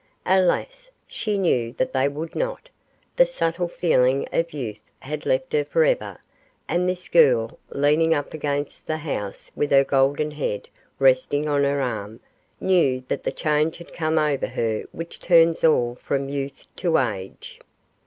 Alas! she knew that they would not the subtle feeling of youth had left her for ever; and this girl, leaning up against the house with her golden head resting on her arm, knew that the change had come over her which turns all from youth to age.